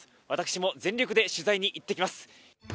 私も全力で取材に行ってきます！